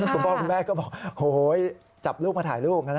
คุณพ่อคุณแม่ก็บอกโหยจับลูกมาถ่ายรูปนะนะ